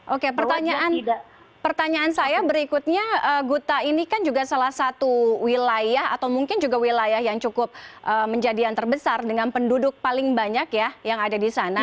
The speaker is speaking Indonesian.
oke pertanyaan saya berikutnya guta ini kan juga salah satu wilayah atau mungkin juga wilayah yang cukup menjadi yang terbesar dengan penduduk paling banyak ya yang ada di sana